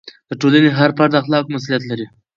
د ټولنې هر فرد د اخلاقو مسؤلیت لري.